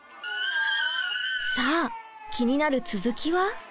さあ気になる続きは？